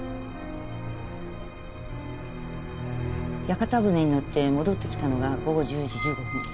屋形船に乗って戻ってきたのが午後１０時１５分。